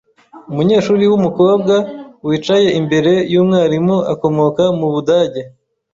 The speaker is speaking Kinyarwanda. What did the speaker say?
Umunyeshuri wumukobwa wicaye imbere yumwarimu akomoka mu Budage.